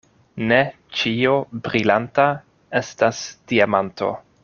Ne ĉio brilanta estas diamanto.